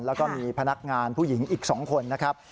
แล้วก็มีพนักงานผู้หญิงอีก๒คนนะครับ